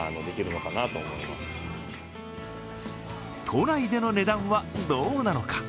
都内での値段はどうなのか。